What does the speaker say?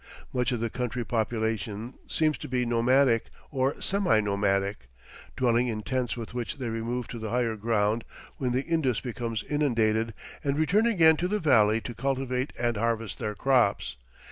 Much of the country population seems to be nomadic, or semi nomadic, dwelling in tents with which they remove to the higher ground when the Indus becomes inundated, and return again to the valley to cultivate and harvest their crops.